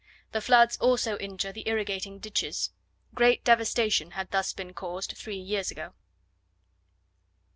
The floods also injure the irrigating ditches. Great devastation had thus been caused three years ago.